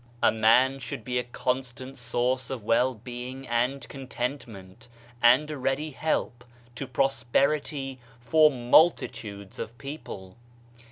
A man should be a constant source of well being and contentment, and a ready help to pros perity for multitudes of people.